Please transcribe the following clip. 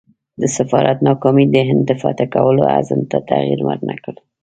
د سفارت ناکامي د هند د فتح کولو عزم ته تغییر ورنه کړ.